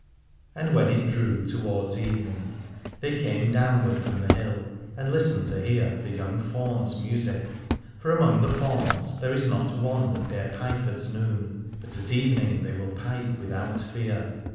And when it drew towards 204 Aladore evening then they came downward from the hill, and listened to hear the young faun's music : for among the fauns there is not one that dare pipe at noon, but at evening they will pipe without fear.